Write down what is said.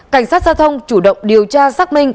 cảnh sát giao thông chủ động điều tra xác minh